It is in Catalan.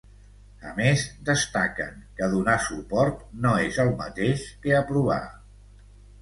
A més, destaquen que ‘donar suport’, no és el mateix que ‘aprovar’.